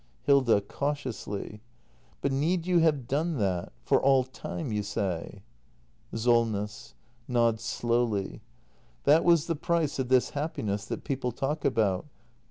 Hilda. [Cautiously.] But need you have done that ? For all time, you say ? SOLNESS. [Nods slowly.] That was the price of this happiness that people talk about.